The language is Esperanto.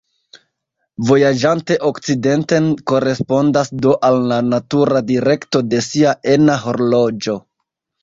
Vojaĝante okcidenten korespondas do al la natura direkto de sia ena horloĝo.